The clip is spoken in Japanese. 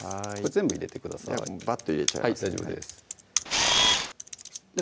全部入れてくださいバッと入れちゃいますね